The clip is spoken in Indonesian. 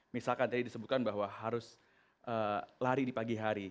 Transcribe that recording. misalkan tadi disebutkan bahwa harus lari di pagi hari